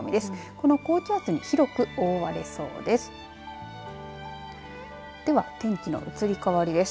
この高気圧に広く覆われそうです。